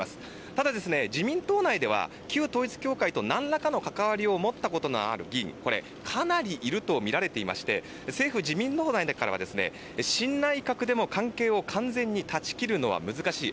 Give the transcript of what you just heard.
ただ、自民党内では旧統一教会と何らかの関わりを持ったことのある議員かなりいるとみられていまして政府、自民党内からは新内閣でも関係を完全に断ち切るのは難しい。